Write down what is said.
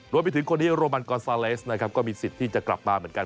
รวมไปถึงคนนี้โรมันกอนซาเลสนะครับก็มีสิทธิ์ที่จะกลับมาเหมือนกัน